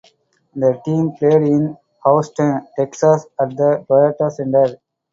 The team played in Houston, Texas, at the Toyota Center.